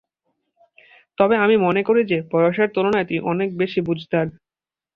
তবে আমি মনে করি যে, বয়সের তুলনায় তুই অনেক বেশি বুঝদার।